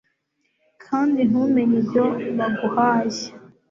kandi ntumenye ibyo baguhaye